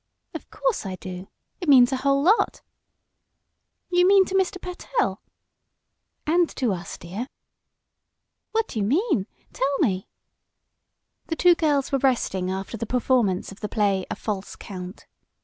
"Of course I do. It means a whole lot." "You mean to Mr. Pertell?" "And to us, dear." "What do you mean? Tell me." The two girls were resting after the performance of the play "A False Count."